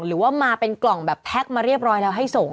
หรือว่ามาเป็นกล่องแบบแพ็คมาเรียบร้อยแล้วให้ส่ง